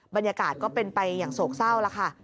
บรรยากาศก็เป็นไปอย่างโศกเศร้าแล้วค่ะ